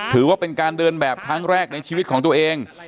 ถือว่าเป็นการเดินแบบครั้งแรกในชีวิตของตัวเอง